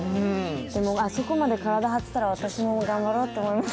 あそこまで体を張ってたら、私も頑張ろうって思います。